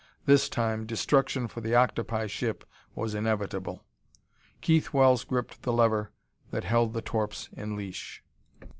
This time, destruction for the octopi ship was inevitable.... Keith Wells gripped the lever that held the torps in leash.